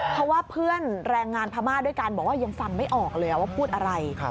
เพราะว่าเพื่อนแรงงานพม่าด้วยกันบอกว่ายังฟังไม่ออกเลยว่าพูดอะไร